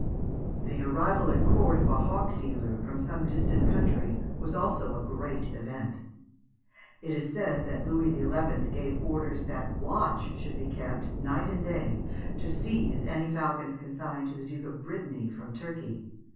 The arrival at court of a hawk dealer from some distant country was also a great event. It is said that Louis XI. gave orders that watch should be kept night and day to seize any falcons consigned to the Duke of Brittany from Turkey.